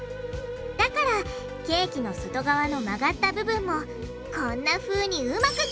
だからケーキの外側の曲がった部分もこんなふうにうまく切れちゃう！